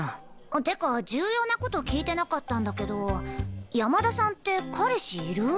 ってか重要な事聞いてなかったんだけど山田さんって彼氏いる？